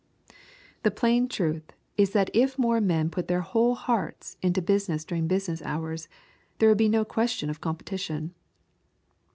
The plain truth is that if more men put their whole hearts into business during business hours, there would be no question of competition.